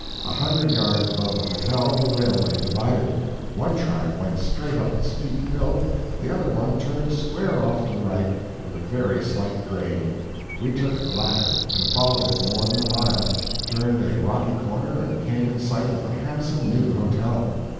a hundred yards above the hotel the railway divided; one track went straight up the steep hill, the other one turned square off to the right, with a very slight grade. We took the latter, and followed it more than a mile, turned a rocky corner, and came in sight of a handsome new hotel.